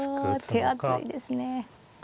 手厚いですね。